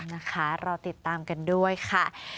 นะคะรอติดตามกันด้วยค่ะ